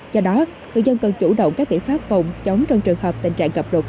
do đó người dân cần chủ động các biện pháp phòng chống trong trường hợp tình trạng gặp lục